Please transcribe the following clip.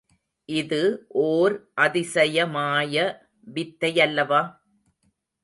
இது ஓர் அதிசய மாய வித்தையல்லவா?